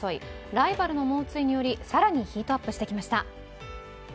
ライバルの猛追により、更にヒートアップしてきました。